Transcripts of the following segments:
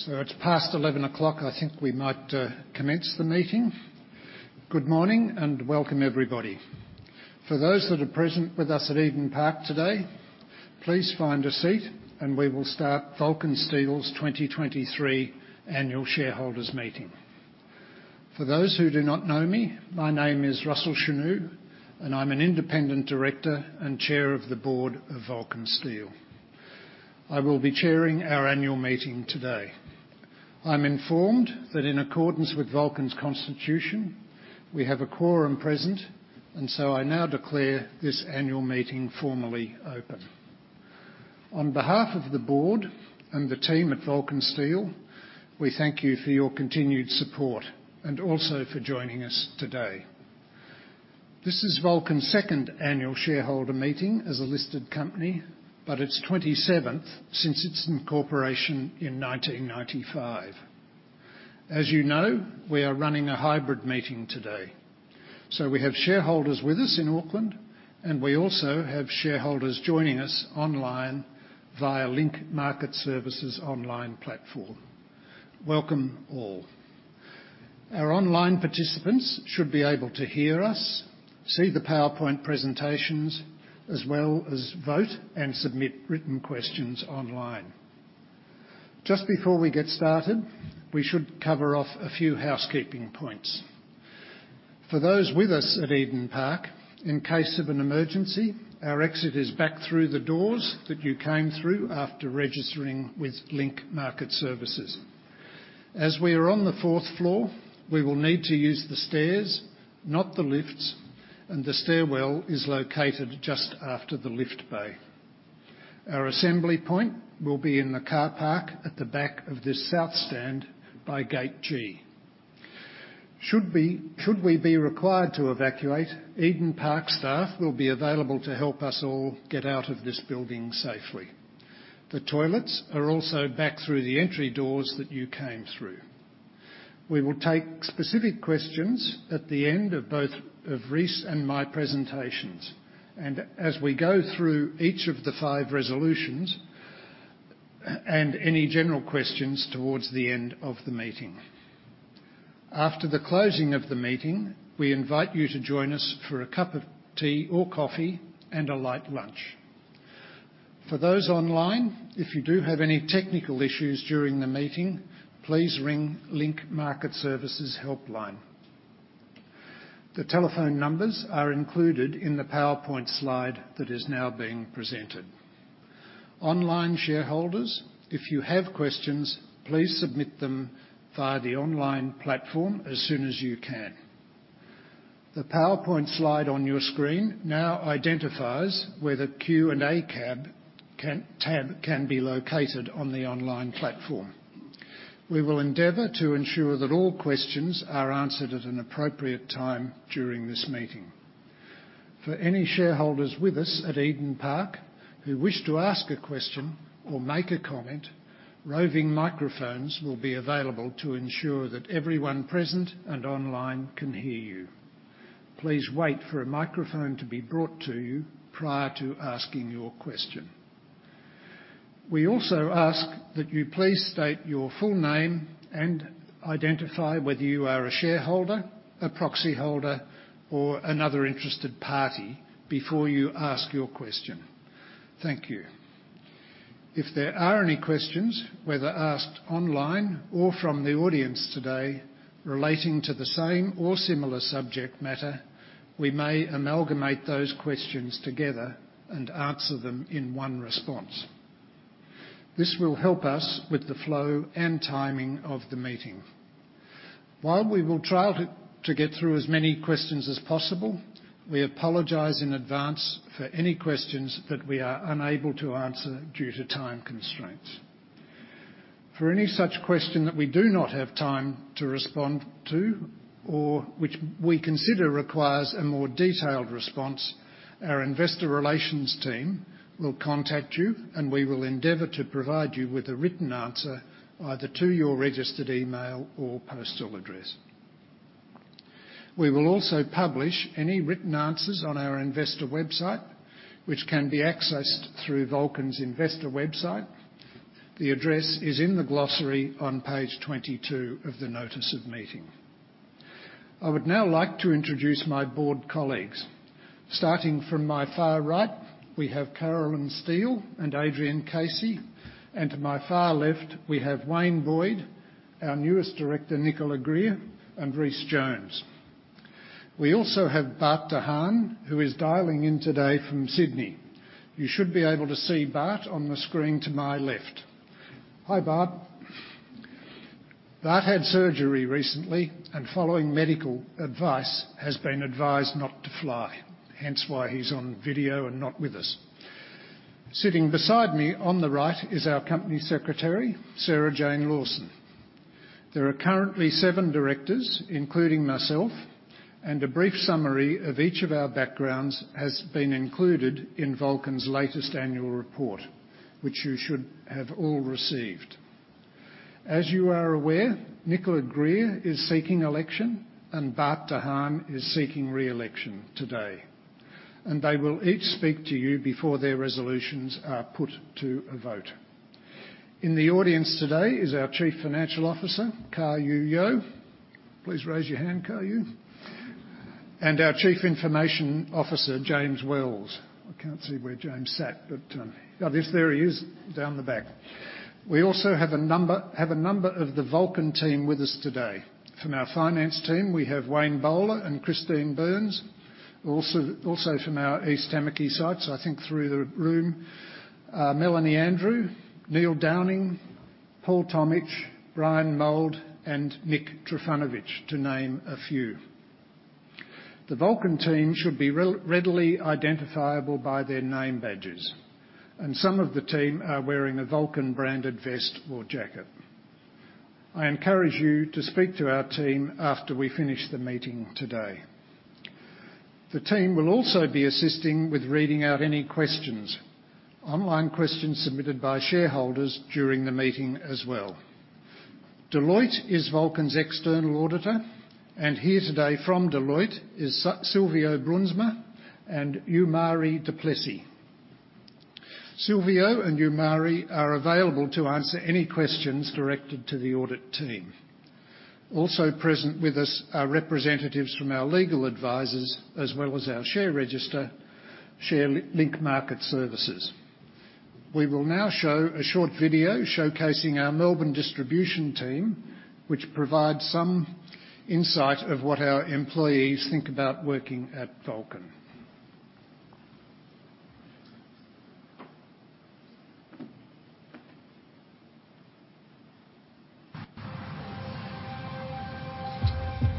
So it's past 11:00 A.M. I think we might commence the meeting. Good morning, and welcome, everybody. For those that are present with us at Eden Park today, please find a seat, and we will start Vulcan Steel's 2023 Annual Shareholders Meeting. For those who do not know me, my name is Russell Chenu, and I'm an independent director and chair of the Board of Vulcan Steel. I will be chairing our annual meeting today. I'm informed that in accordance with Vulcan's Constitution, we have a quorum present, and so I now declare this annual meeting formally open. On behalf of the board and the team at Vulcan Steel, we thank you for your continued support, and also for joining us today. This is Vulcan's second annual shareholder meeting as a listed company, but its 27th since its incorporation in 1995. As you know, we are running a hybrid meeting today, so we have shareholders with us in Auckland, and we also have shareholders joining us online via Link Market Services online platform. Welcome, all. Our online participants should be able to hear us, see the PowerPoint presentations, as well as vote and submit written questions online. Just before we get started, we should cover off a few housekeeping points. For those with us at Eden Park, in case of an emergency, our exit is back through the doors that you came through after registering with Link Market Services. As we are on the fourth floor, we will need to use the stairs, not the lifts, and the stairwell is located just after the lift bay. Our assembly point will be in the car park at the back of the south stand by Gate G. Should we be required to evacuate, Eden Park staff will be available to help us all get out of this building safely. The toilets are also back through the entry doors that you came through. We will take specific questions at the end of both of Rhys and my presentations, and as we go through each of the five resolutions, and any general questions towards the end of the meeting. After the closing of the meeting, we invite you to join us for a cup of tea or coffee and a light lunch. For those online, if you do have any technical issues during the meeting, please ring Link Market Services Helpline. The telephone numbers are included in the PowerPoint slide that is now being presented. Online shareholders, if you have questions, please submit them via the online platform as soon as you can. The PowerPoint slide on your screen now identifies where the Q&A tab can be located on the online platform. We will endeavor to ensure that all questions are answered at an appropriate time during this meeting. For any shareholders with us at Eden Park who wish to ask a question or make a comment, roving microphones will be available to ensure that everyone present and online can hear you. Please wait for a microphone to be brought to you prior to asking your question. We also ask that you please state your full name and identify whether you are a shareholder, a proxy holder, or another interested party before you ask your question. Thank you. If there are any questions, whether asked online or from the audience today relating to the same or similar subject matter, we may amalgamate those questions together and answer them in one response. This will help us with the flow and timing of the meeting. While we will try to get through as many questions as possible, we apologize in advance for any questions that we are unable to answer due to time constraints. For any such question that we do not have time to respond to, or which we consider requires a more detailed response, our investor relations team will contact you, and we will endeavor to provide you with a written answer, either to your registered email or postal address. We will also publish any written answers on our investor website, which can be accessed through Vulcan's investor website. The address is in the glossary on page 22 of the notice of meeting. I would now like to introduce my board colleagues. Starting from my far right, we have Carolyn Steele and Adrian Casey, and to my far left, we have Wayne Boyd, our newest director, Nicola Greer, and Rhys Jones. We also have Bart de Haan, who is dialing in today from Sydney. You should be able to see Bart on the screen to my left. Hi, Bart. Bart had surgery recently and, following medical advice, has been advised not to fly. Hence, why he's on video and not with us. Sitting beside me on the right is our Company Secretary, Sarah-Jane Lawson. There are currently seven directors, including myself, and a brief summary of each of our backgrounds has been included in Vulcan's latest annual report, which you should have all received. As you are aware, Nicola Greer is seeking election, and Bart de Haan is seeking re-election today. They will each speak to you before their resolutions are put to a vote. In the audience today is our Chief Financial Officer, Kar Yue Yeung. Please raise your hand, Kar Yue. And our Chief Information Officer, James Wells. I can't see where James sat, but... Oh, yes, there he is, down the back. We also have a number, have a number of the Vulcan team with us today. From our finance team, we have Wayne Bowler and Christine Burns. Also, also from our East Tamaki sites, I think through the room, Melanie Andrew, Neil Downing, Paul Tomich, Brian Moulds, and Nick Trifunovich, to name a few. The Vulcan team should be readily identifiable by their name badges, and some of the team are wearing a Vulcan-branded vest or jacket. I encourage you to speak to our team after we finish the meeting today. The team will also be assisting with reading out any questions, online questions submitted by shareholders during the meeting as well. Deloitte is Vulcan's external auditor, and here today from Deloitte is Silvio Bruinsma and Jomarie du Plessis. Silvio and Jomarie are available to answer any questions directed to the audit team. Also present with us are representatives from our legal advisors, as well as our share register, Link Market Services. We will now show a short video showcasing our Melbourne distribution team, which provides some insight of what our employees think about working at Vulcan.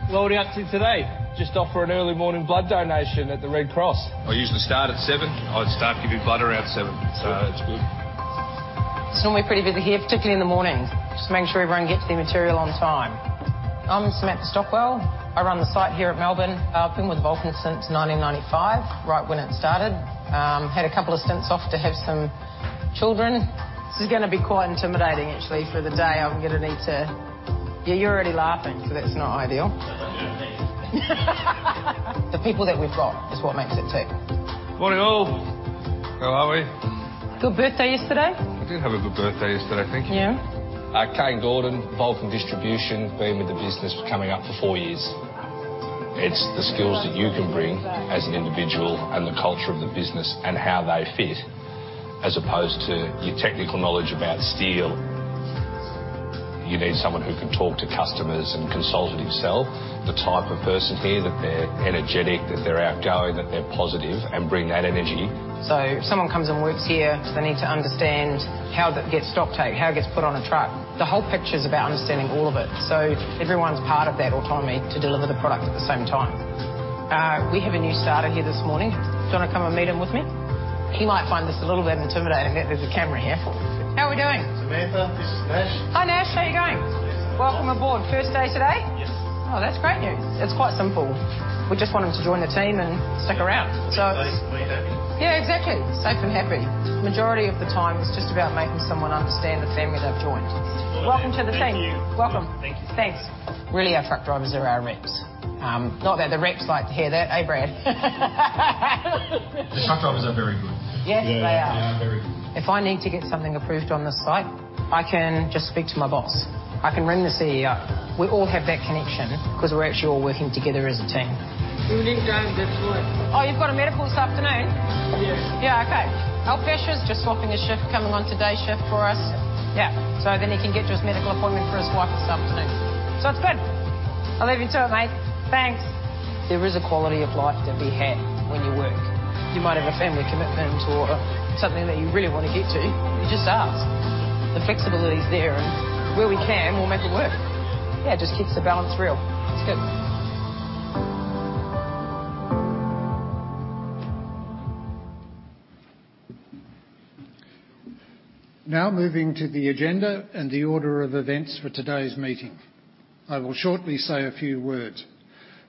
What are we up to today? Just off for an early morning blood donation at the Red Cross. I usually start at seven. I start giving blood around seven, so it's good. It's normally pretty busy here, particularly in the morning. Just make sure everyone gets their material on time. I'm Samantha Stockwell. I run the site here at Melbourne. I've been with Vulcan since 1995, right when it started. Had a couple of stints off to have some children. This is gonna be quite intimidating, actually, for the day. I'm gonna need to... Yeah, you're already laughing, so that's not ideal. You and me. The people that we've got is what makes it tick. Morning, all. How are we? Good birthday yesterday? I did have a good birthday yesterday, thank you. Yeah. I'm Kane Gordon, Vulcan Distribution. Been with the business coming up to four years. It's the skills that you can bring as an individual and the culture of the business and how they fit, as opposed to your technical knowledge about steel. You need someone who can talk to customers and consult it himself. The type of person here, that they're energetic, that they're outgoing, that they're positive and bring that energy. So if someone comes and works here, they need to understand how that gets stocktaken, how it gets put on a truck. The whole picture is about understanding all of it. So everyone's part of that autonomy to deliver the product at the same time. We have a new starter here this morning. Do you want to come and meet him with me? He might find this a little bit intimidating that there's a camera here. How are we doing? Samantha, this is Nash. Hi, Nash. How you going? Hi. Welcome aboard. First day today? Yes. Oh, that's great news. It's quite simple. We just want him to join the team and stick around. So- Safe and happy. Yeah, exactly. Safe and happy. Majority of the time, it's just about making someone understand the family they've joined. Welcome to the team. Thank you. Welcome. Thank you. Thanks. Really, our truck drivers are our reps. Not that the reps like to hear that. Hey, Brad. The truck drivers are very good. Yes, they are. Yeah, they are very good. If I need to get something approved on this site, I can just speak to my boss. I can ring the CEO. We all have that connection 'cause we're actually all working together as a team. Good evening, guys. Guess what? Oh, you've got a medical this afternoon? Yeah. Yeah, okay. Our shift is just swapping a shift, coming on today's shift for us. Yeah, so then he can get to his medical appointment for his wife this afternoon. So it's good. I'll leave you to it, mate. Thanks. There is a quality of life to be had when you work. You might have a family commitment or something that you really want to get to. You just ask. The flexibility is there, and where we can, we'll make it work. Yeah, it just keeps the balance real. It's good. Now, moving to the agenda and the order of events for today's meeting. I will shortly say a few words.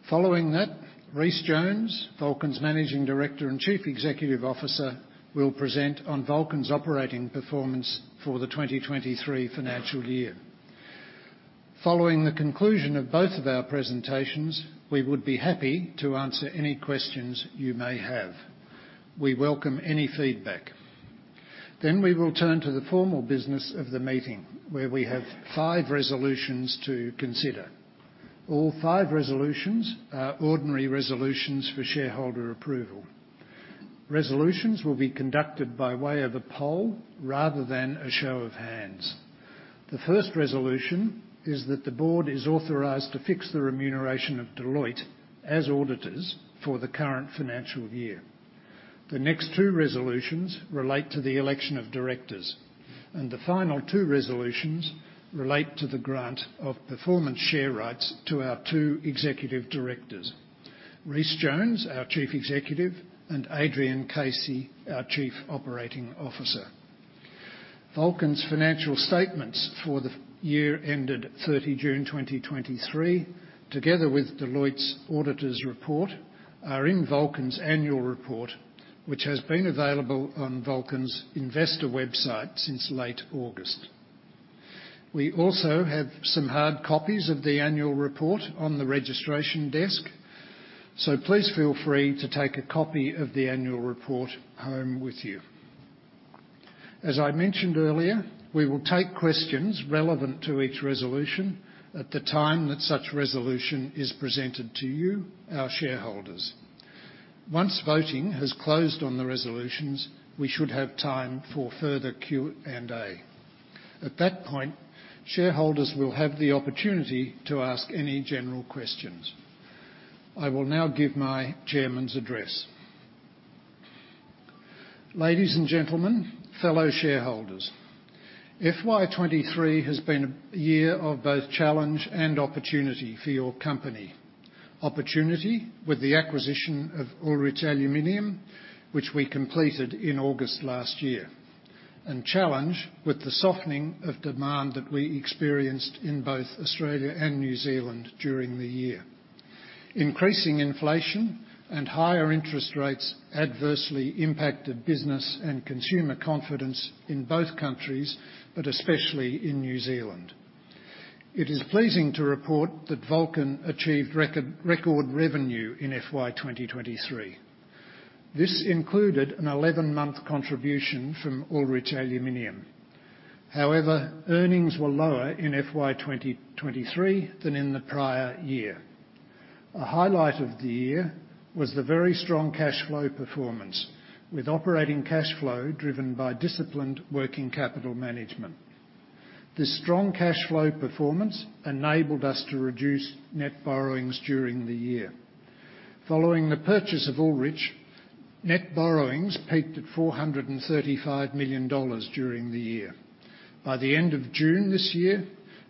Following that, Rhys Jones, Vulcan's Managing Director and Chief Executive Officer, will present on Vulcan's operating performance for the 2023 financial year. Following the conclusion of both of our presentations, we would be happy to answer any questions you may have. We welcome any feedback. Then we will turn to the formal business of the meeting, where we have five resolutions to consider. All five resolutions are ordinary resolutions for shareholder approval. Resolutions will be conducted by way of a poll rather than a show of hands. The first resolution is that the board is authorized to fix the remuneration of Deloitte as auditors for the current financial year. The next two resolutions relate to the election of directors, and the final two resolutions relate to the grant of performance share rights to our two executive directors: Rhys Jones, our Chief Executive, and Adrian Casey, our Chief Operating Officer. Vulcan's financial statements for the year ended 30 June 2023, together with Deloitte's auditors' report, are in Vulcan's annual report, which has been available on Vulcan's investor website since late August. We also have some hard copies of the annual report on the registration desk, so please feel free to take a copy of the annual report home with you. As I mentioned earlier, we will take questions relevant to each resolution at the time that such resolution is presented to you, our shareholders. Once voting has closed on the resolutions, we should have time for further Q&A. At that point, shareholders will have the opportunity to ask any general questions. I will now give my chairman's address. Ladies and gentlemen, fellow shareholders, FY 2023 has been a year of both challenge and opportunity for your company. Opportunity with the acquisition of Ullrich Aluminium, which we completed in August last year, and challenge with the softening of demand that we experienced in both Australia and New Zealand during the year. Increasing inflation and higher interest rates adversely impacted business and consumer confidence in both countries, but especially in New Zealand. It is pleasing to report that Vulcan achieved record revenue in FY 2023. This included an 11-month contribution from Ullrich Aluminium. However, earnings were lower in FY 2023 than in the prior year. A highlight of the year was the very strong cash flow performance, with operating cash flow driven by disciplined working capital management. This strong cash flow performance enabled us to reduce net borrowings during the year. Following the purchase of Ullrich, net borrowings peaked at 435 million dollars during the year. By the end of June this year,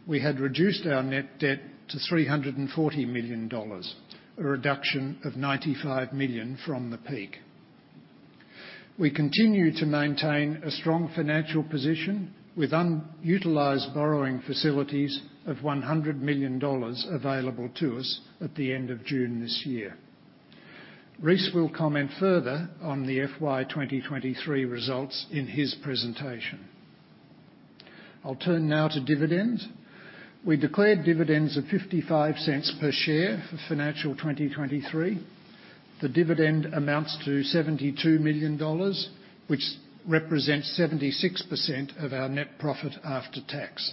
we had reduced our net debt to 340 million dollars, a reduction of 95 million from the peak. We continue to maintain a strong financial position with unutilized borrowing facilities of 100 million dollars available to us at the end of June this year. Rhys will comment further on the FY 2023 results in his presentation. I'll turn now to dividends. We declared dividends of 0.55 per share for financial 2023. The dividend amounts to 72 million dollars, which represents 76% of our net profit after tax.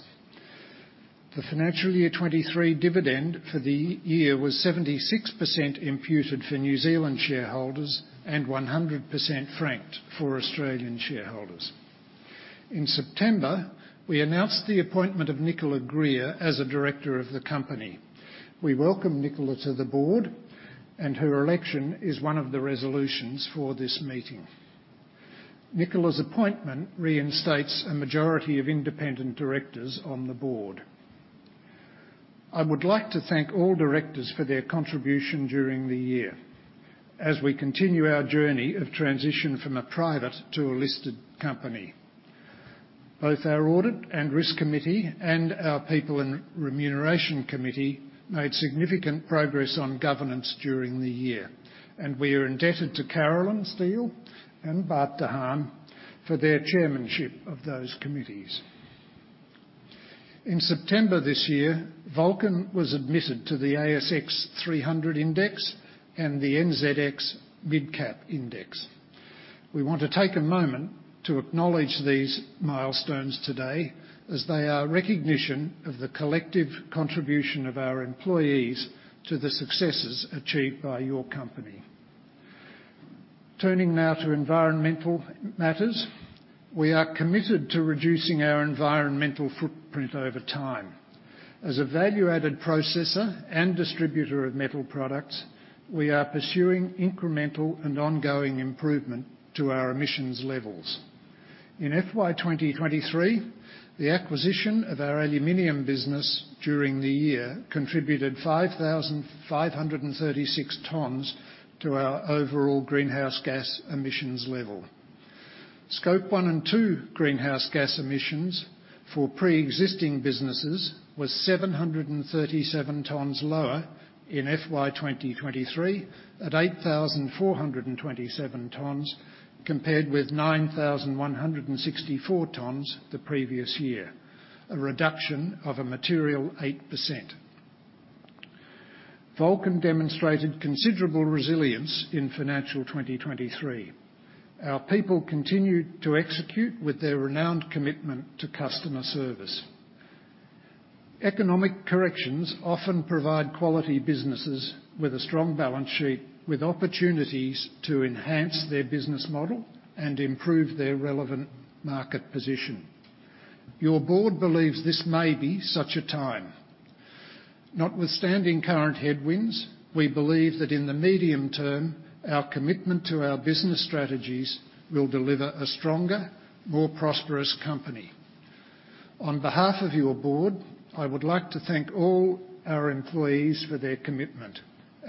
The financial year 2023 dividend for the year was 76% imputed for New Zealand shareholders and 100% franked for Australian shareholders. In September, we announced the appointment of Nicola Greer as a director of the company. We welcome Nicola to the board, and her election is one of the resolutions for this meeting. Nicola's appointment reinstates a majority of independent directors on the board. I would like to thank all directors for their contribution during the year as we continue our journey of transition from a private to a listed company. Both our Audit and Risk Committee and our People and Remuneration Committee made significant progress on governance during the year, and we are indebted to Carolyn Steele and Bart de Haan for their chairmanship of those committees. In September this year, Vulcan was admitted to the ASX 300 Index and the NZX Mid-Cap Index. We want to take a moment to acknowledge these milestones today as they are recognition of the collective contribution of our employees to the successes achieved by your company. Turning now to environmental matters, we are committed to reducing our environmental footprint over time. As a value-added processor and distributor of metal products, we are pursuing incremental and ongoing improvement to our emissions levels. In FY 2023, the acquisition of our aluminum business during the year contributed 5,536 tons to our overall greenhouse gas emissions level. Scope one and two greenhouse gas emissions for pre-existing businesses was 737 tons lower in FY 2023, at 8,427 tons, compared with 9,164 tons the previous year, a reduction of a material 8%. Vulcan demonstrated considerable resilience in financial 2023. Our people continued to execute with their renowned commitment to customer service. Economic corrections often provide quality businesses with a strong balance sheet, with opportunities to enhance their business model and improve their relevant market position. Your board believes this may be such a time. Notwithstanding current headwinds, we believe that in the medium term, our commitment to our business strategies will deliver a stronger, more prosperous company. On behalf of your board, I would like to thank all our employees for their commitment,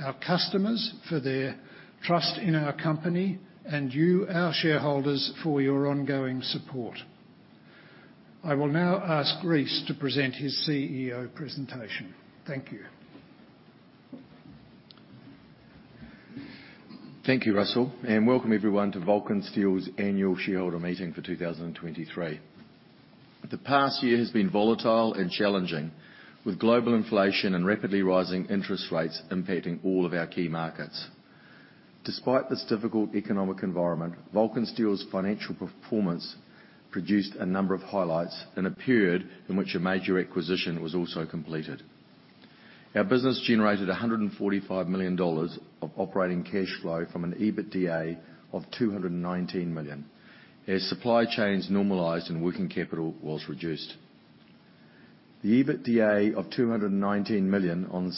our customers for their trust in our company, and you, our shareholders, for your ongoing support. I will now ask Rhys to present his CEO presentation. Thank you. ...Thank you, Russell, and welcome everyone to Vulcan Steel's annual shareholder meeting for 2023. The past year has been volatile and challenging, with global inflation and rapidly rising interest rates impacting all of our key markets. Despite this difficult economic environment, Vulcan Steel's financial performance produced a number of highlights in a period in which a major acquisition was also completed. Our business generated 145 million dollars of operating cash flow from an EBITDA of 219 million, as supply chains normalized and working capital was reduced. The EBITDA of 219 million on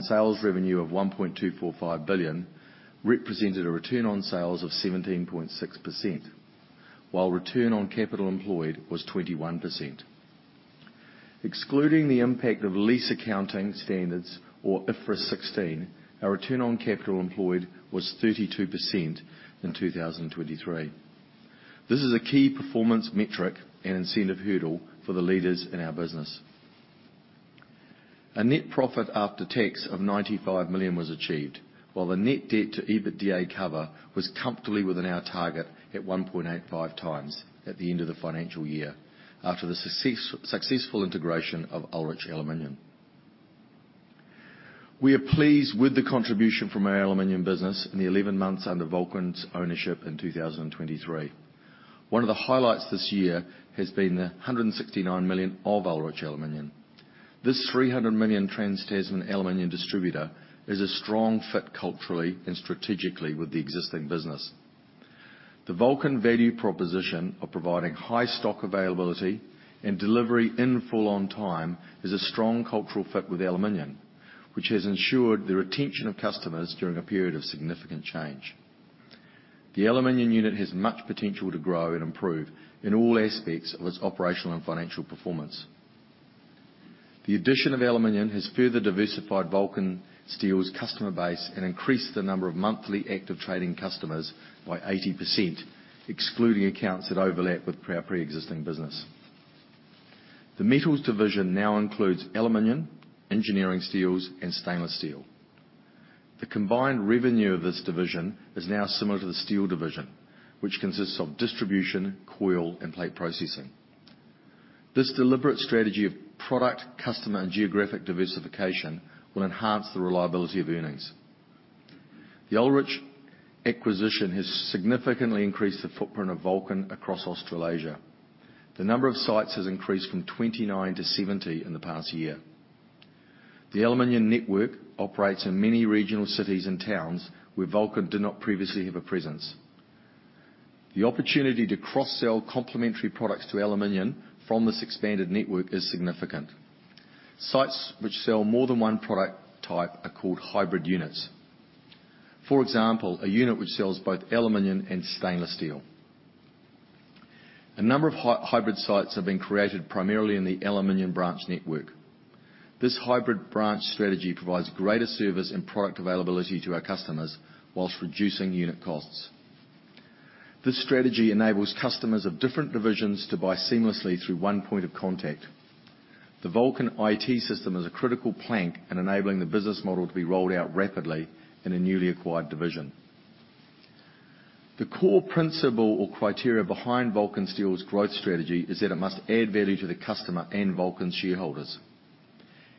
sales revenue of 1.245 billion represented a return on sales of 17.6%, while return on capital employed was 21%. Excluding the impact of lease accounting standards or IFRS 16, our return on capital employed was 32% in 2023. This is a key performance metric and incentive hurdle for the leaders in our business. A net profit after tax of 95 million was achieved, while the net debt to EBITDA cover was comfortably within our target at 1.85x at the end of the financial year, after the successful integration of Ullrich Aluminium. We are pleased with the contribution from our aluminum business in the 11 months under Vulcan's ownership in 2023. One of the highlights this year has been the 169 million of Ullrich Aluminium. This 300 million trans-Tasman aluminum distributor is a strong fit culturally and strategically with the existing business. The Vulcan value proposition of providing high stock availability and delivery in full on time is a strong cultural fit with aluminum, which has ensured the retention of customers during a period of significant change. The aluminum unit has much potential to grow and improve in all aspects of its operational and financial performance. The addition of aluminum has further diversified Vulcan Steel's customer base and increased the number of monthly active trading customers by 80%, excluding accounts that overlap with our pre-existing business. The metals division now includes aluminum, engineering steels, and stainless steel. The combined revenue of this division is now similar to the steel division, which consists of distribution, coil, and plate processing. This deliberate strategy of product, customer, and geographic diversification will enhance the reliability of earnings. The Ullrich acquisition has significantly increased the footprint of Vulcan across Australasia. The number of sites has increased from 29 to 70 in the past year. The aluminum network operates in many regional cities and towns where Vulcan did not previously have a presence. The opportunity to cross-sell complementary products to aluminum from this expanded network is significant. Sites which sell more than one product type are called hybrid units. For example, a unit which sells both aluminum and stainless steel. A number of hybrid sites have been created primarily in the aluminum branch network. This hybrid branch strategy provides greater service and product availability to our customers, while reducing unit costs. This strategy enables customers of different divisions to buy seamlessly through one point of contact. The Vulcan IT system is a critical plank in enabling the business model to be rolled out rapidly in a newly acquired division. The core principle or criteria behind Vulcan Steel's growth strategy is that it must add value to the customer and Vulcan shareholders.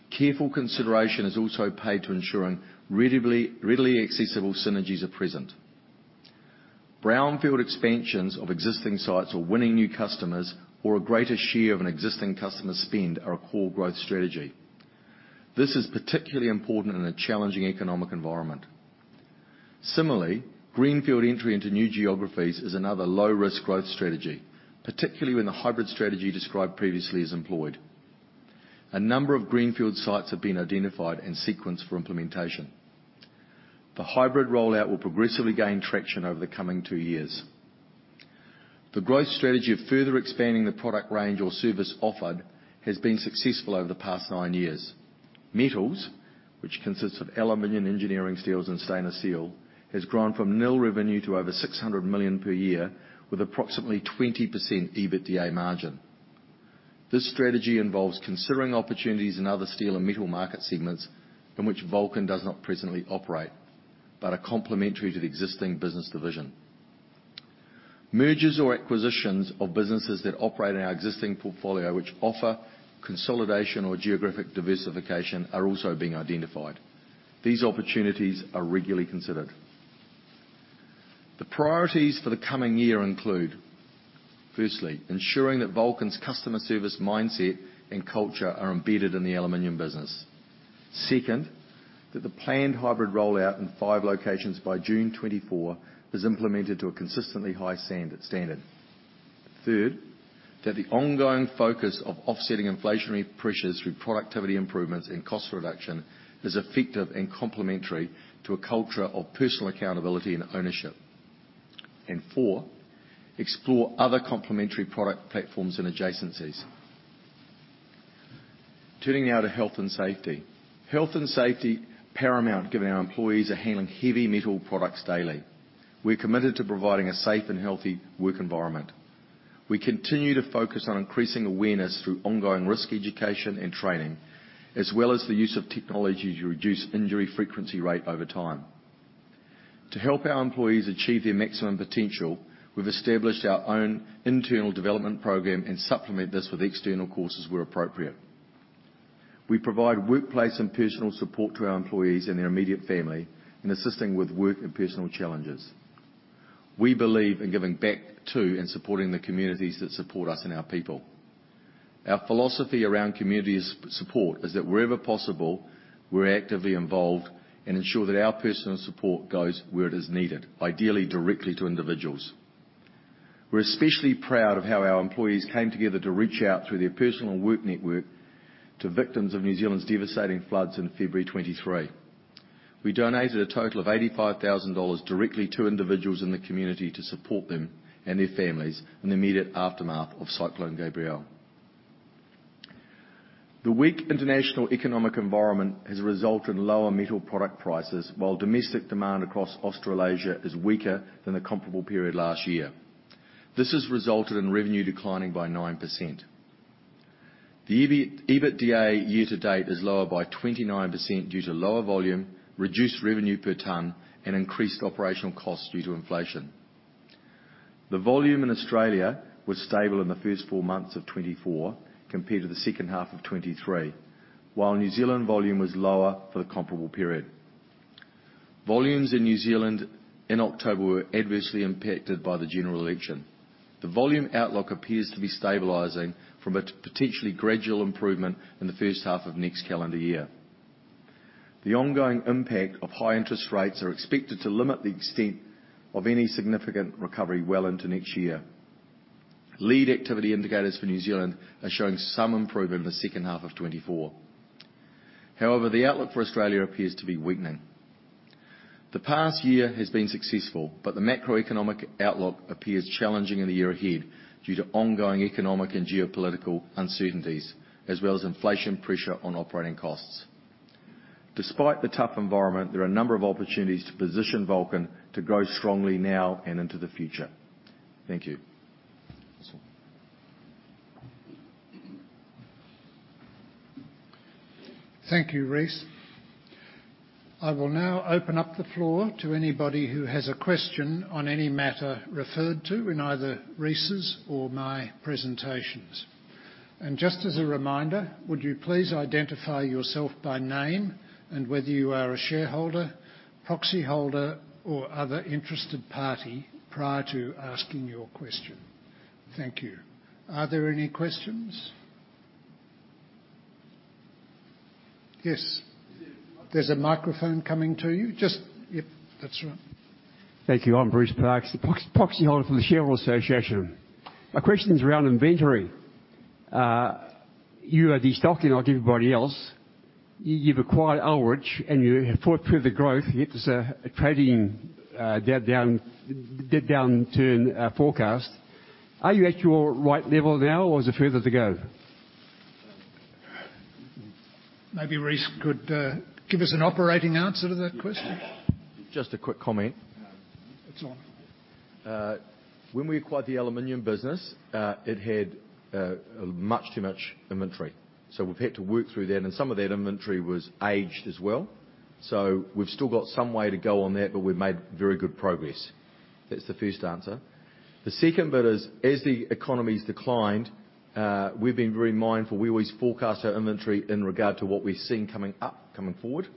Careful consideration is also paid to ensuring readily accessible synergies are present. Brownfield expansions of existing sites or winning new customers, or a greater share of an existing customer spend, are a core growth strategy. This is particularly important in a challenging economic environment. Similarly, greenfield entry into new geographies is another low-risk growth strategy, particularly when the hybrid strategy described previously is employed. A number of greenfield sites have been identified and sequenced for implementation. The hybrid rollout will progressively gain traction over the coming two years. The growth strategy of further expanding the product range or service offered has been successful over the past nine years. Metals, which consists of aluminum, engineering steels, and stainless steel, has grown from nil revenue to over 600 million per year, with approximately 20% EBITDA margin. This strategy involves considering opportunities in other steel and metal market segments in which Vulcan does not presently operate, but are complementary to the existing business division. Mergers or acquisitions of businesses that operate in our existing portfolio, which offer consolidation or geographic diversification, are also being identified. These opportunities are regularly considered. The priorities for the coming year include, firstly, ensuring that Vulcan's customer service mindset and culture are embedded in the aluminum business. Second, that the planned hybrid rollout in five locations by June 2024 is implemented to a consistently high standard. Third, that the ongoing focus of offsetting inflationary pressures through productivity improvements and cost reduction is effective and complementary to a culture of personal accountability and ownership. And four, explore other complementary product platforms and adjacencies. Turning now to health and safety. Health and safety, paramount, given our employees are handling heavy metal products daily. We're committed to providing a safe and healthy work environment. We continue to focus on increasing awareness through ongoing risk education and training, as well as the use of technology to reduce injury frequency rate over time. To help our employees achieve their maximum potential, we've established our own internal development program and supplement this with external courses where appropriate. We provide workplace and personal support to our employees and their immediate family in assisting with work and personal challenges. We believe in giving back to and supporting the communities that support us and our people. Our philosophy around community support is that wherever possible, we're actively involved and ensure that our personal support goes where it is needed, ideally directly to individuals. We're especially proud of how our employees came together to reach out through their personal work network to victims of New Zealand's devastating floods in February 2023. We donated a total of 85,000 dollars directly to individuals in the community to support them and their families in the immediate aftermath of Cyclone Gabrielle. The weak international economic environment has resulted in lower metal product prices, while domestic demand across Australasia is weaker than the comparable period last year. This has resulted in revenue declining by 9%. The EBITDA year to date is lower by 29% due to lower volume, reduced revenue per ton, and increased operational costs due to inflation. The volume in Australia was stable in the first four months of 2024 compared to the second half of 2023, while New Zealand volume was lower for the comparable period. Volumes in New Zealand in October were adversely impacted by the general election. The volume outlook appears to be stabilizing from a potentially gradual improvement in the first half of next calendar year. The ongoing impact of high interest rates are expected to limit the extent of any significant recovery well into next year. Lead activity indicators for New Zealand are showing some improvement in the second half of 2024. However, the outlook for Australia appears to be weakening. The past year has been successful, but the macroeconomic outlook appears challenging in the year ahead due to ongoing economic and geopolitical uncertainties, as well as inflation pressure on operating costs. Despite the tough environment, there are a number of opportunities to position Vulcan to grow strongly now and into the future. Thank you. Thank you, Rhys. I will now open up the floor to anybody who has a question on any matter referred to in either Rhys's or my presentations. Just as a reminder, would you please identify yourself by name and whether you are a shareholder, proxyholder, or other interested party prior to asking your question? Thank you. Are there any questions? Yes. There's a microphone coming to you. Just... Yep, that's right. Thank you. I'm Bruce Parks, the proxyholder for the Shareholders Association. My question is around inventory. You are destocking like everybody else. You've acquired Ullrich, and you have fought through the growth, yet there's a trading downturn forecast. Are you at your right level now, or is there further to go? Maybe Rhys could give us an operating answer to that question. Just a quick comment. It's on. When we acquired the aluminum business, it had much too much inventory. So we've had to work through that, and some of that inventory was aged as well. So we've still got some way to go on that, but we've made very good progress. That's the first answer. The second bit is, as the economy's declined, we've been very mindful. We always forecast our inventory in regard to what we're seeing coming up, coming forward.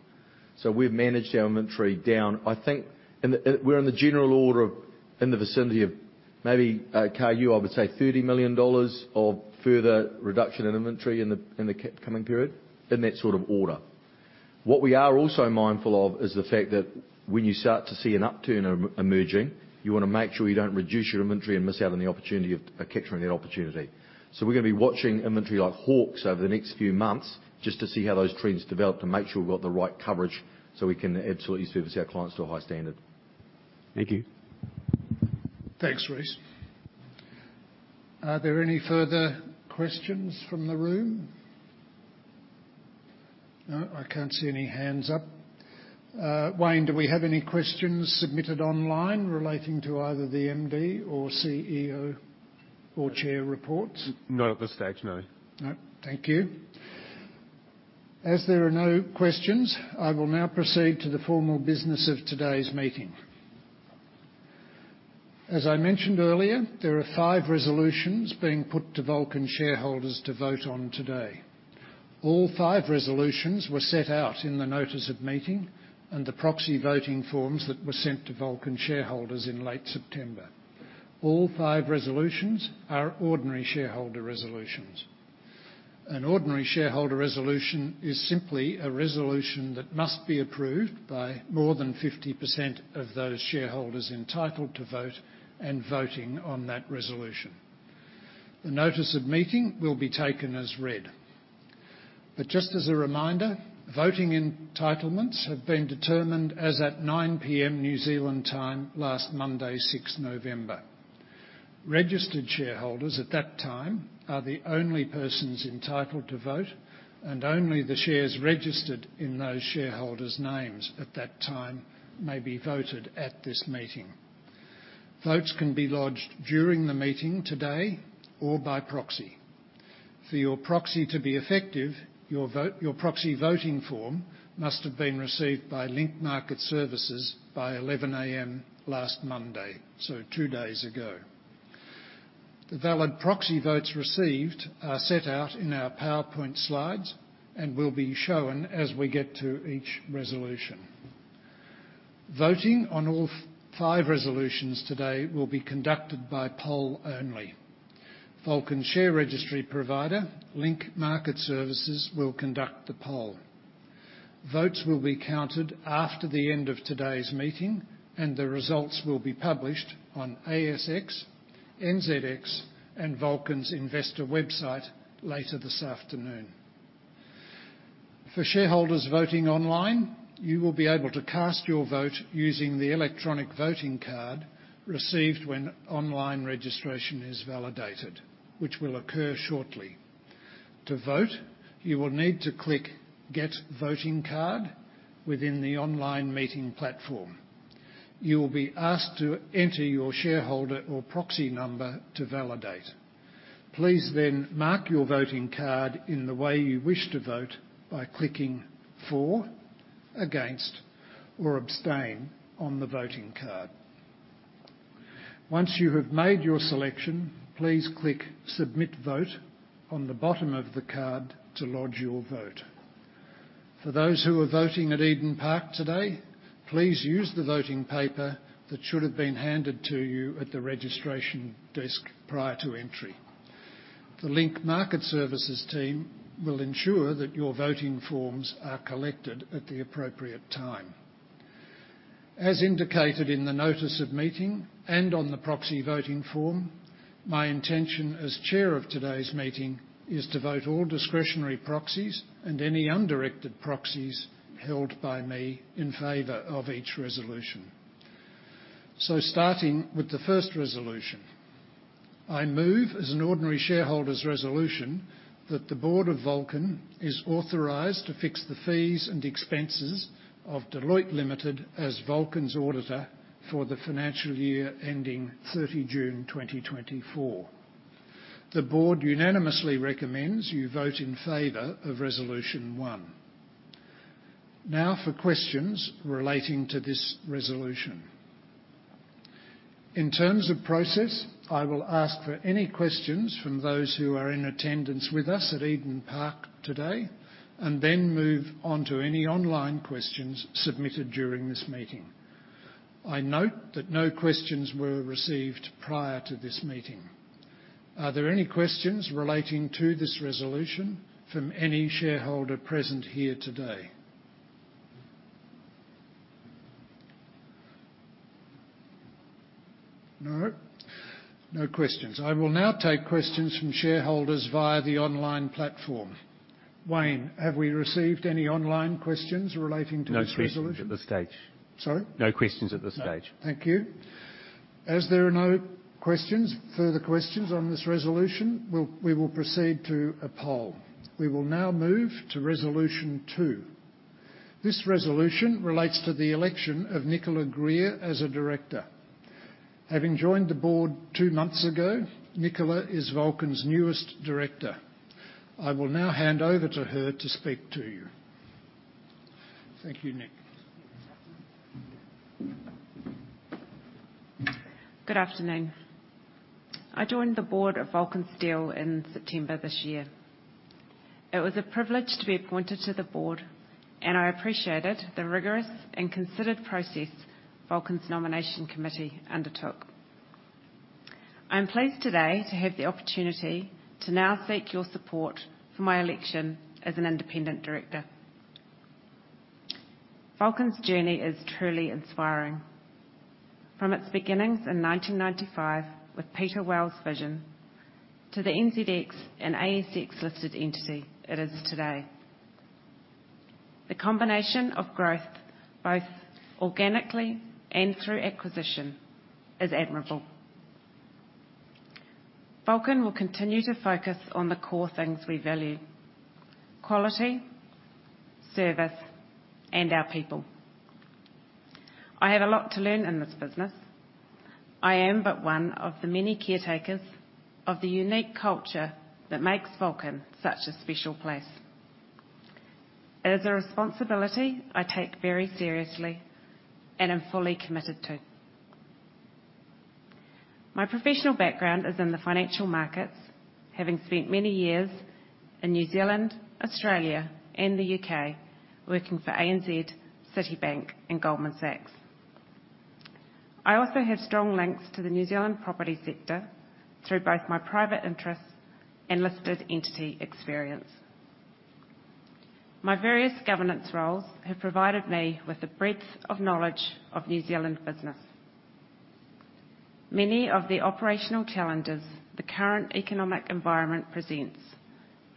So we've managed our inventory down. I think in the, we're in the general order of, in the vicinity of maybe, Kai, you, I would say 30 million dollars of further reduction in inventory in the, in the coming period, in that sort of order. What we are also mindful of is the fact that when you start to see an upturn emerging, you wanna make sure you don't reduce your inventory and miss out on the opportunity of capturing that opportunity. So we're gonna be watching inventory like hawks over the next few months, just to see how those trends develop to make sure we've got the right coverage so we can absolutely service our clients to a high standard. Thank you. Thanks, Rhys. Are there any further questions from the room? No, I can't see any hands up. Wayne, do we have any questions submitted online relating to either the MD or CEO or chair reports? Not at this stage, no. No. Thank you. As there are no questions, I will now proceed to the formal business of today's meeting. As I mentioned earlier, there are five resolutions being put to Vulcan shareholders to vote on today. All five resolutions were set out in the notice of meeting and the proxy voting forms that were sent to Vulcan shareholders in late September. All five resolutions are ordinary shareholder resolutions. An ordinary shareholder resolution is simply a resolution that must be approved by more than 50% of those shareholders entitled to vote and voting on that resolution. The notice of meeting will be taken as read. But just as a reminder, voting entitlements have been determined as at 9 P.M. New Zealand Time, last Monday, 6th November. Registered shareholders at that time are the only persons entitled to vote, and only the shares registered in those shareholders' names at that time may be voted at this meeting. Votes can be lodged during the meeting today or by proxy. For your proxy to be effective, your proxy voting form must have been received by Link Market Services by 11:00 A.M. last Monday, so two days ago. The valid proxy votes received are set out in our PowerPoint slides and will be shown as we get to each resolution. Voting on all five resolutions today will be conducted by poll only. Vulcan share registry provider, Link Market Services, will conduct the poll. Votes will be counted after the end of today's meeting, and the results will be published on ASX, NZX, and Vulcan's investor website later this afternoon. For shareholders voting online, you will be able to cast your vote using the electronic voting card received when online registration is validated, which will occur shortly. To vote, you will need to click Get Voting Card within the online meeting platform. You will be asked to enter your shareholder or proxy number to validate. Please then mark your voting card in the way you wish to vote by clicking for, Against, or Abstain on the voting card. Once you have made your selection, please click Submit Vote on the bottom of the card to lodge your vote. For those who are voting at Eden Park today, please use the voting paper that should have been handed to you at the registration desk prior to entry. The Link Market Services team will ensure that your voting forms are collected at the appropriate time. As indicated in the notice of meeting and on the proxy voting form, my intention as chair of today's meeting is to vote all discretionary proxies and any undirected proxies held by me in favor of each resolution. So starting with the first resolution, I move as an ordinary shareholder's resolution that the Board of Vulcan is authorized to fix the fees and expenses of Deloitte Limited as Vulcan's auditor for the financial year ending 30 June 2024. The board unanimously recommends you vote in favor of Resolution One. Now for questions relating to this resolution. In terms of process, I will ask for any questions from those who are in attendance with us at Eden Park today, and then move on to any online questions submitted during this meeting. I note that no questions were received prior to this meeting. Are there any questions relating to this resolution from any shareholder present here today? No, no questions. I will now take questions from shareholders via the online platform. Wayne, have we received any online questions relating to this resolution? No questions at this stage. Sorry? No questions at this stage. Thank you. As there are no further questions on this resolution, we will proceed to a poll. We will now move to Resolution Two. This resolution relates to the election of Nicola Greer as a director. Having joined the board 2 months ago, Nicola is Vulcan's newest director. I will now hand over to her to speak to you. Thank you, Nic. Good afternoon. I joined the board of Vulcan Steel in September this year. It was a privilege to be appointed to the board, and I appreciated the rigorous and considered process Vulcan's nomination committee undertook. I'm pleased today to have the opportunity to now seek your support for my election as an independent director. Vulcan's journey is truly inspiring. From its beginnings in 1995 with Peter Wells' vision to the NZX and ASX-listed entity it is today. The combination of growth, both organically and through acquisition, is admirable. Vulcan will continue to focus on the core things we value: quality, service, and our people. I have a lot to learn in this business. I am but one of the many caretakers of the unique culture that makes Vulcan such a special place. It is a responsibility I take very seriously and am fully committed to. My professional background is in the financial markets, having spent many years in New Zealand, Australia, and the U.K. working for ANZ, Citibank, and Goldman Sachs. I also have strong links to the New Zealand property sector through both my private interests and listed entity experience. My various governance roles have provided me with a breadth of knowledge of New Zealand business. Many of the operational challenges the current economic environment presents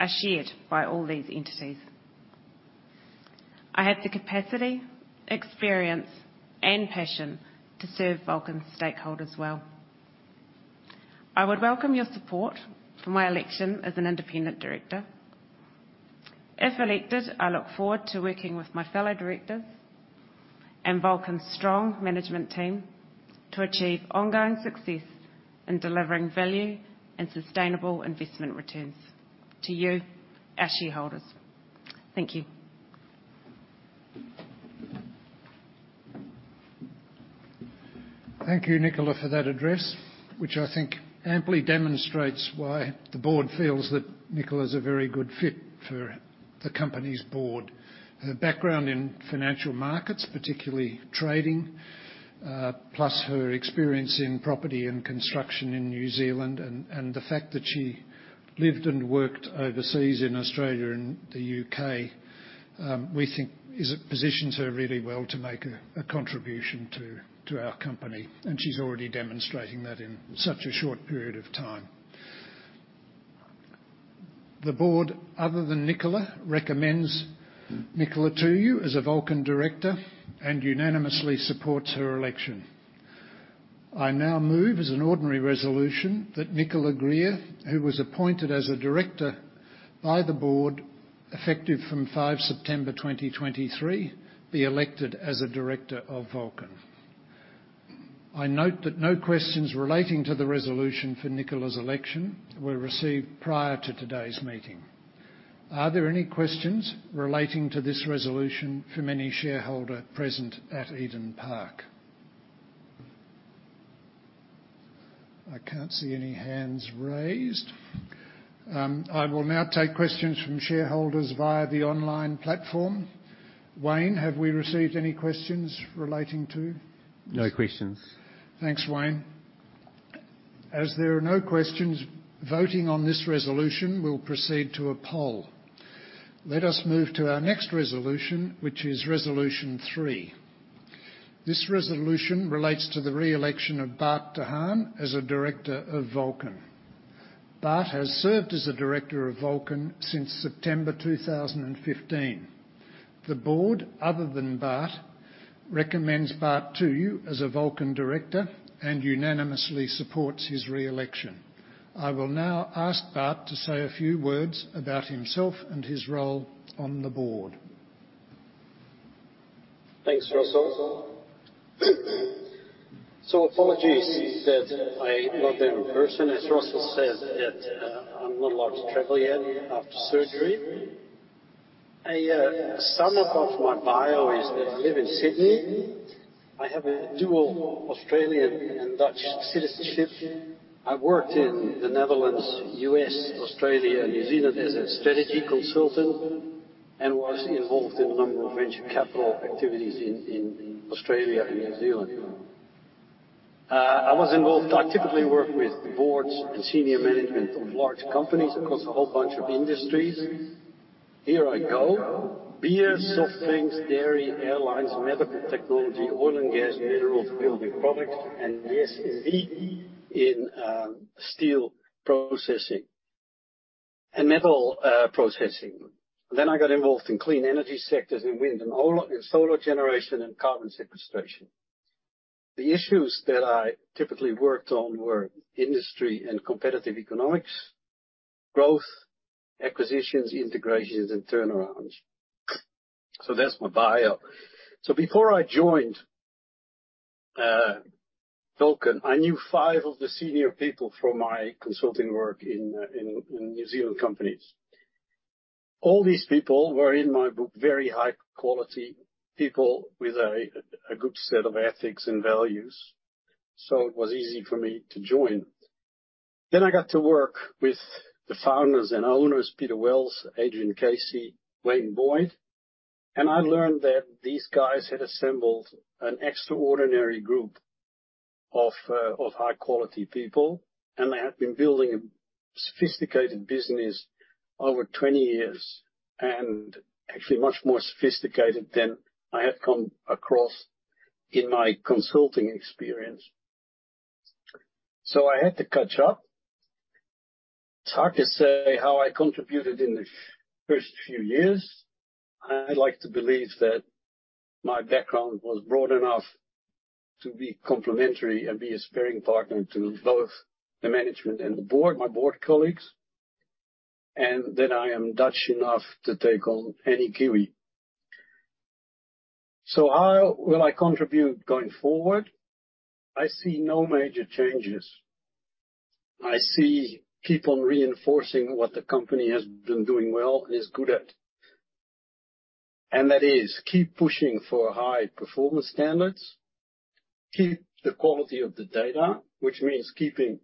are shared by all these entities. I have the capacity, experience, and passion to serve Vulcan stakeholders well. I would welcome your support for my election as an independent director. If elected, I look forward to working with my fellow directors and Vulcan's strong management team to achieve ongoing success in delivering value and sustainable investment returns to you, our shareholders. Thank you. Thank you, Nicola, for that address, which I think amply demonstrates why the board feels that Nicola is a very good fit for the company's board. Her background in financial markets, particularly trading, plus her experience in property and construction in New Zealand, and the fact that she lived and worked overseas in Australia and the U.K., we think positions her really well to make a contribution to our company, and she's already demonstrating that in such a short period of time. The board, other than Nicola, recommends Nicola to you as a Vulcan director and unanimously supports her election. I now move as an ordinary resolution that Nicola Greer, who was appointed as a director by the board, effective from 5 September 2023, be elected as a director of Vulcan. I note that no questions relating to the resolution for Nicola's election were received prior to today's meeting. Are there any questions relating to this resolution from any shareholder present at Eden Park? I can't see any hands raised. I will now take questions from shareholders via the online platform. Wayne, have we received any questions relating to? No questions. Thanks, Wayne. As there are no questions, voting on this resolution will proceed to a poll. Let us move to our next resolution, which is Resolution Three. This resolution relates to the re-election of Bart de Haan as a director of Vulcan. Bart has served as a director of Vulcan since September 2015. The board, other than Bart, recommends Bart to you as a Vulcan director and unanimously supports his re-election. I will now ask Bart to say a few words about himself and his role on the board. Thanks, Russell. So apologies that I'm not there in person. As Russell said, that, I'm not allowed to travel yet after surgery. A sum up of my bio is that I live in Sydney. I have a dual Australian and Dutch citizenship. I've worked in the Netherlands, U.S., Australia, New Zealand as a strategy consultant and was involved in a number of venture capital activities in Australia and New Zealand. I was involved-- I typically work with boards and senior management of large companies across a whole bunch of industries. Here I go. Beer, soft drinks, dairy, airlines, medical technology, oil and gas, minerals, building products, and SSZ in steel processing and metal processing. Then I got involved in clean energy sectors, in wind and solar generation and carbon sequestration. The issues that I typically worked on were industry and competitive economics, growth, acquisitions, integrations, and turnarounds. So that's my bio. So before I joined Vulcan, I knew five of the senior people from my consulting work in New Zealand companies. All these people were, in my book, very high-quality people with a good set of ethics and values, so it was easy for me to join. Then I got to work with the founders and owners, Peter Wells, Adrian Casey, Wayne Boyd, and I learned that these guys had assembled an extraordinary group of high-quality people, and they had been building a sophisticated business over 20 years, and actually much more sophisticated than I had come across in my consulting experience. So I had to catch up. It's hard to say how I contributed in the first few years. I'd like to believe that my background was broad enough to be complementary and be a sparring partner to both the management and the board, my board colleagues, and that I am Dutch enough to take on any Kiwi. So how will I contribute going forward? I see no major changes. I see keep on reinforcing what the company has been doing well and is good at. And that is, keep pushing for high performance standards, keep the quality of the data, which means keeping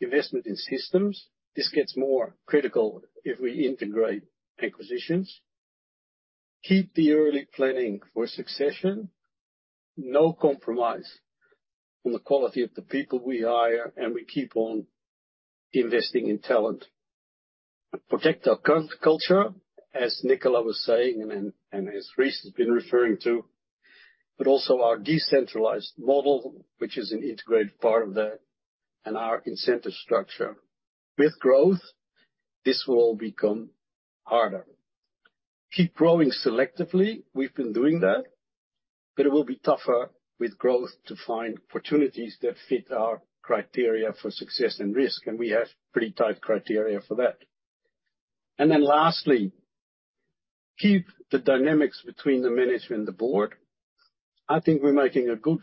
investment in systems. This gets more critical if we integrate acquisitions. Keep the early planning for succession. No compromise on the quality of the people we hire, and we keep on investing in talent. Protect our current culture, as Nicola was saying, and as Rhys has been referring to, but also our decentralized model, which is an integrated part of that and our incentive structure. With growth, this will all become harder.... Keep growing selectively. We've been doing that, but it will be tougher with growth to find opportunities that fit our criteria for success and risk, and we have pretty tight criteria for that. And then lastly, keep the dynamics between the management and the board. I think we're making a good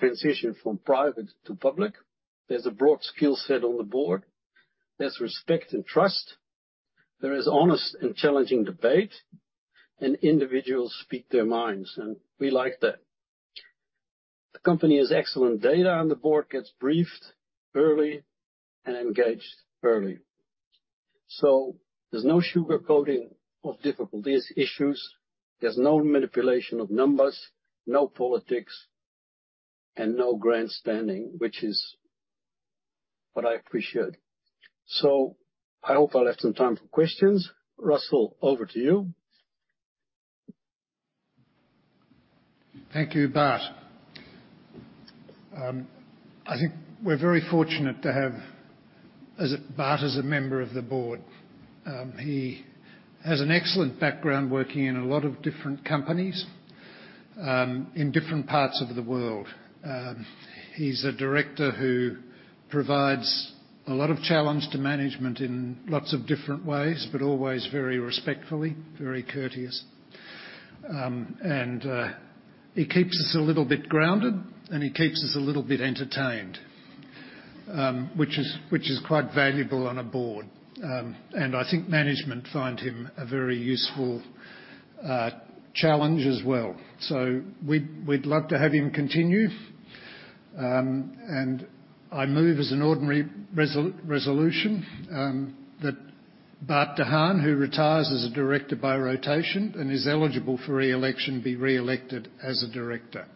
transition from private to public. There's a broad skill set on the board. There's respect and trust. There is honest and challenging debate, and individuals speak their minds, and we like that. The company has excellent data, and the board gets briefed early and engaged early. So there's no sugarcoating of difficulties, issues. There's no manipulation of numbers, no politics, and no grandstanding, which is what I appreciate. So I hope I left some time for questions. Russell, over to you. Thank you, Bart. I think we're very fortunate to have Bart as a member of the board. He has an excellent background working in a lot of different companies in different parts of the world. He's a director who provides a lot of challenge to management in lots of different ways, but always very respectfully, very courteous. And he keeps us a little bit grounded, and he keeps us a little bit entertained, which is quite valuable on a board. And I think management find him a very useful challenge as well. So we'd love to have him continue. And I move as an ordinary resolution that Bart de Haan, who retires as a director by rotation and is eligible for re-election, be re-elected as a director.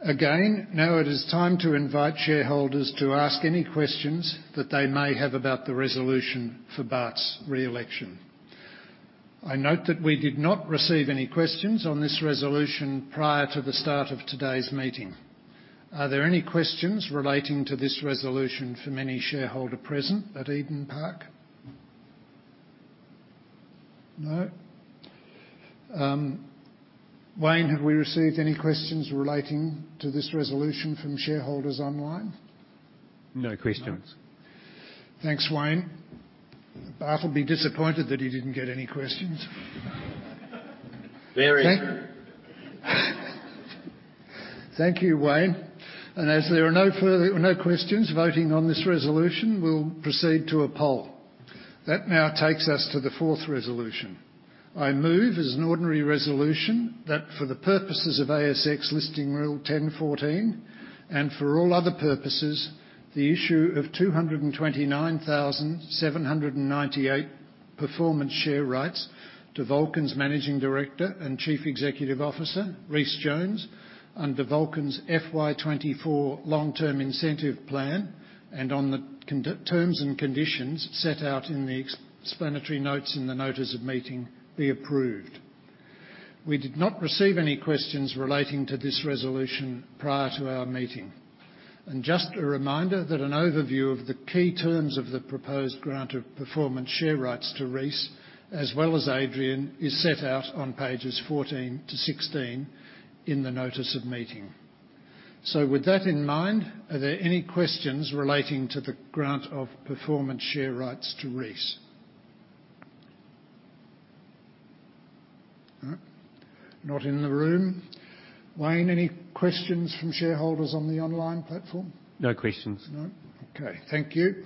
Again, now it is time to invite shareholders to ask any questions that they may have about the resolution for Bart's re-election. I note that we did not receive any questions on this resolution prior to the start of today's meeting. Are there any questions relating to this resolution from any shareholder present at Eden Park? No. Wayne, have we received any questions relating to this resolution from shareholders online? No questions. Thanks, Wayne. Bart will be disappointed that he didn't get any questions. Very true. Thank you, Wayne. As there are no further questions, voting on this resolution will proceed to a poll. That now takes us to the fourth resolution. I move, as an ordinary resolution, that for the purposes of ASX Listing Rule 10.14 and for all other purposes, the issue of 229,798 performance share rights to Vulcan's Managing Director and Chief Executive Officer, Rhys Jones, under Vulcan's FY 2024 Long-Term Incentive Plan, and on the terms and conditions set out in the explanatory notes in the notice of meeting, be approved. We did not receive any questions relating to this resolution prior to our meeting. Just a reminder that an overview of the key terms of the proposed grant of performance share rights to Rhys, as well as Adrian, is set out on pages 14 to 16 in the Notice of Meeting. So with that in mind, are there any questions relating to the grant of performance share rights to Rhys? All right. Not in the room. Wayne, any questions from shareholders on the online platform? No questions. No. Okay, thank you.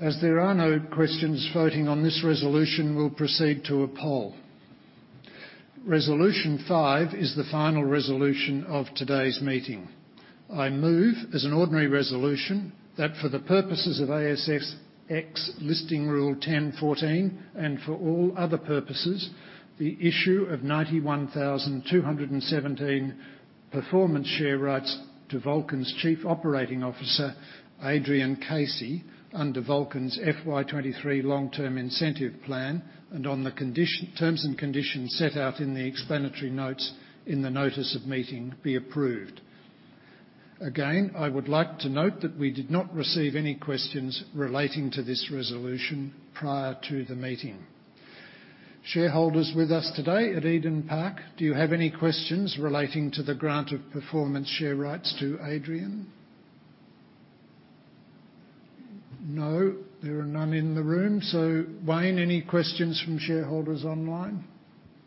As there are no questions, voting on this resolution will proceed to a poll. Resolution five is the final resolution of today's meeting. I move, as an ordinary resolution, that for the purposes of ASX Listing Rule 10.14 and for all other purposes, the issue of 91,217 performance share rights to Vulcan's Chief Operating Officer, Adrian Casey, under Vulcan's FY 2023 Long-Term Incentive Plan, and on the terms and conditions set out in the explanatory notes in the notice of meeting, be approved. Again, I would like to note that we did not receive any questions relating to this resolution prior to the meeting. Shareholders with us today at Eden Park, do you have any questions relating to the grant of performance share rights to Adrian? No, there are none in the room. Wayne, any questions from shareholders online?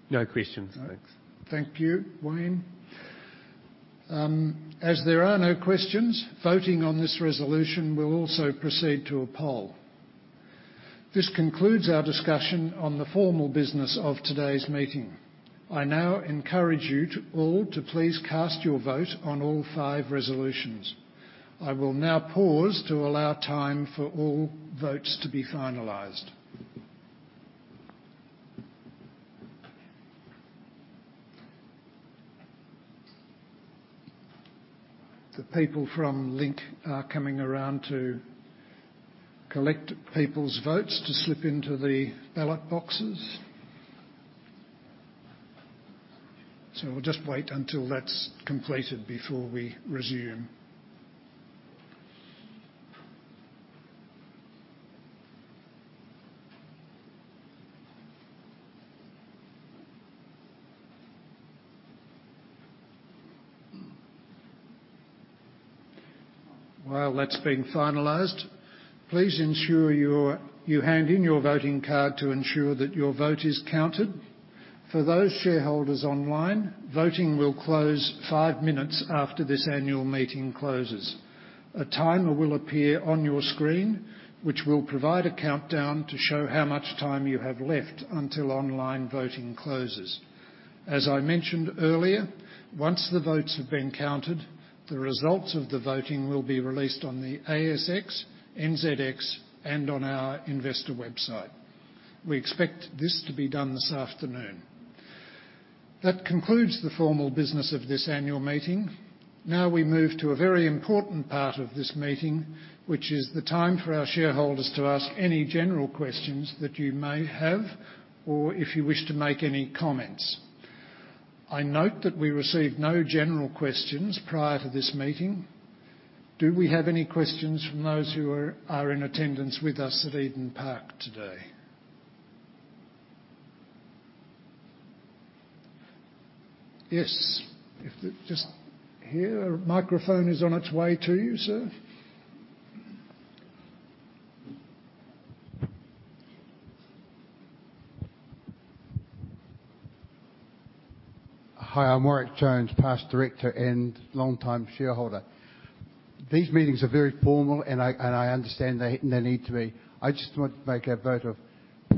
No questions, thanks. Thank you, Wayne. As there are no questions, voting on this resolution will also proceed to a poll. This concludes our discussion on the formal business of today's meeting. I now encourage you all to please cast your vote on all five resolutions. I will now pause to allow time for all votes to be finalized. The people from Link are coming around to collect people's votes to slip into the ballot boxes. So we'll just wait until that's completed before we resume... While that's being finalized, please ensure you hand in your voting card to ensure that your vote is counted. For those shareholders online, voting will close five minutes after this annual meeting closes. A timer will appear on your screen, which will provide a countdown to show how much time you have left until online voting closes. As I mentioned earlier, once the votes have been counted, the results of the voting will be released on the ASX, NZX, and on our investor website. We expect this to be done this afternoon. That concludes the formal business of this annual meeting. Now, we move to a very important part of this meeting, which is the time for our shareholders to ask any general questions that you may have, or if you wish to make any comments. I note that we received no general questions prior to this meeting. Do we have any questions from those who are in attendance with us at Eden Park today? Yes. If just here, a microphone is on its way to you, sir. Hi, I'm Marion Jones, past director and long-time shareholder. These meetings are very formal, and I understand they need to be. I just want to make a vote of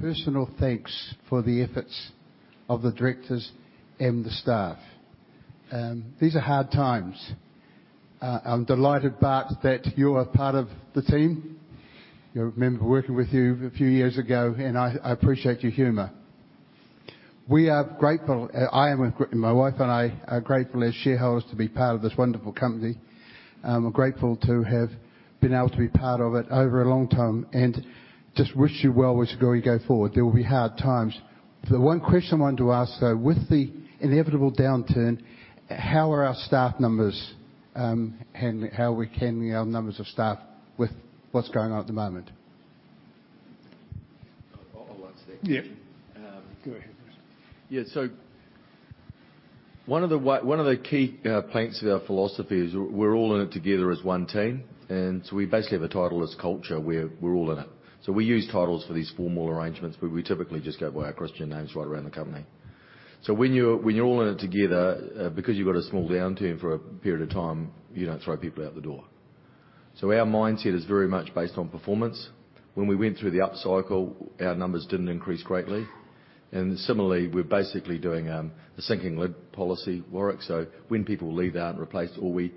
personal thanks for the efforts of the directors and the staff. These are hard times. I'm delighted, Bart, that you are part of the team. I remember working with you a few years ago, and I appreciate your humor. We are grateful. I am, and my wife and I are grateful as shareholders to be part of this wonderful company. We're grateful to have been able to be part of it over a long time, and just wish you well as you go forward. There will be hard times. The one question I wanted to ask, though: with the inevitable downturn, how are our staff numbers handling? How we handling our numbers of staff with what's going on at the moment? I'll answer that question. Yeah. Go ahead. Yeah, so one of the key planks of our philosophy is we're all in it together as one team, and so we basically have a title-less culture, where we're all in it. So we use titles for these formal arrangements, but we typically just go by our Christian names right around the company. So when you're all in it together, because you've got a small downturn for a period of time, you don't throw people out the door. So our mindset is very much based on performance. When we went through the upcycle, our numbers didn't increase greatly. And similarly, we're basically doing the sinking lid policy, Warwick. So when people leave, they aren't replaced, or when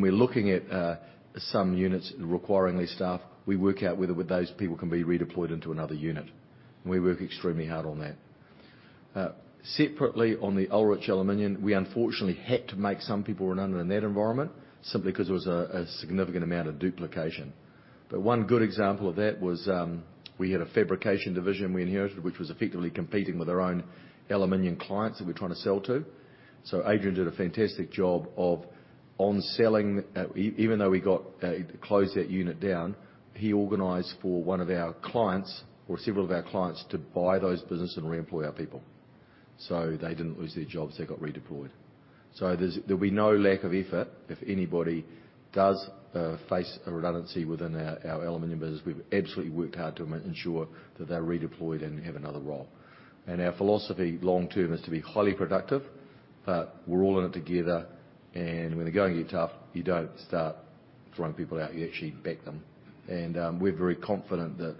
we're looking at some units requiring less staff, we work out whether those people can be redeployed into another unit. We work extremely hard on that. Separately, on the Ullrich Aluminium, we unfortunately had to make some people redundant in that environment simply because there was a significant amount of duplication. But one good example of that was, we had a fabrication division we inherited, which was effectively competing with our own aluminum clients that we're trying to sell to. So Adrian did a fantastic job of on-selling. Even though we got closed that unit down, he organized for one of our clients, or several of our clients, to buy those business and reemploy our people. So they didn't lose their jobs. They got redeployed. So there's, there'll be no lack of effort if anybody does face a redundancy within our aluminum business. We've absolutely worked hard to ensure that they're redeployed and have another role. And our philosophy long term is to be highly productive, but we're all in it together, and when the going gets tough, you don't start throwing people out, you actually back them. And, we're very confident that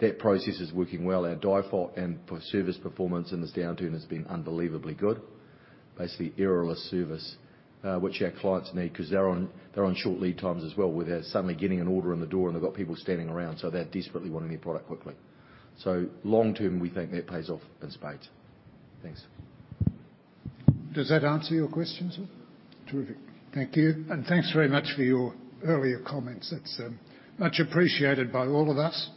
that process is working well. Our DIFOT and service performance in this downturn has been unbelievably good. Basically, errorless service, which our clients need, 'cause they're on, they're on short lead times as well, where they're suddenly getting an order in the door, and they've got people standing around, so they're desperately wanting their product quickly. So long term, we think that pays off in spades. Thanks. Does that answer your question, sir? Terrific. Thank you. And thanks very much for your earlier comments. That's much appreciated by all of us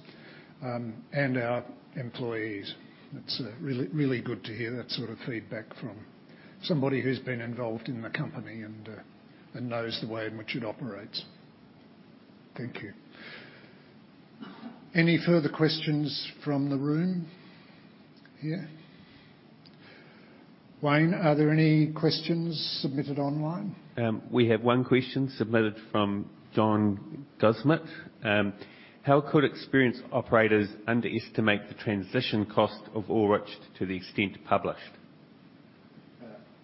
and our employees. It's really, really good to hear that sort of feedback from somebody who's been involved in the company and knows the way in which it operates. Thank you. Any further questions from the room? Yeah. Wayne, are there any questions submitted online? We have one question submitted from John Goldsmith. "How could experienced operators underestimate the transition cost of Ullrich to the extent published?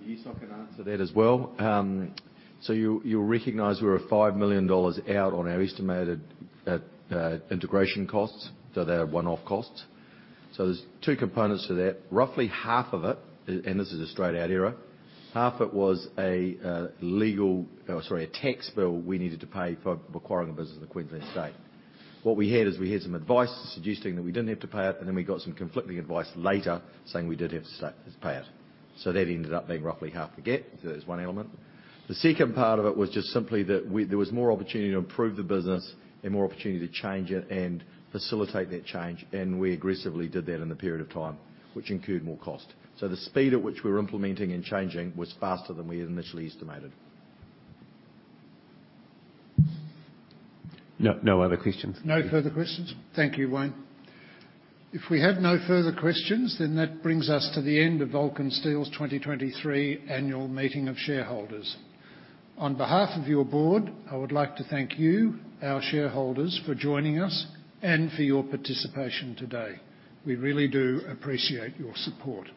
Yes, I can answer that as well. So you'll recognize we're 5 million dollars out on our estimated integration costs. So they are one-off costs. So there's two components to that. Roughly half of it, and this is a straight out error, half it was a tax bill we needed to pay for acquiring a business in the Queensland state. What we had is, we had some advice suggesting that we didn't have to pay it, and then we got some conflicting advice later, saying we did have to say, pay it. So that ended up being roughly half the gap. So that's one element. The second part of it was just simply that there was more opportunity to improve the business and more opportunity to change it and facilitate that change, and we aggressively did that in a period of time, which incurred more cost. So the speed at which we were implementing and changing was faster than we had initially estimated. No, no other questions. No further questions? Thank you, Wayne. If we had no further questions, then that brings us to the end of Vulcan Steel's 2023 Annual Meeting of Shareholders. On behalf of your board, I would like to thank you, our shareholders, for joining us and for your participation today. We really do appreciate your support.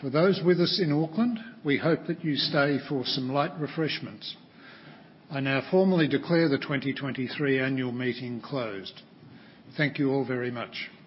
For those with us in Auckland, we hope that you stay for some light refreshments. I now formally declare the 2023 Annual Meeting closed. Thank you all very much.